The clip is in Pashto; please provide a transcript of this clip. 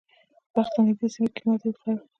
بلخ ته نږدې سیمه کې یې ماتې وخوړه.